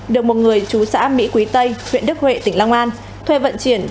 được một người chú xã mỹ quý tây huyện đức huệ tỉnh long an thuê vận chuyển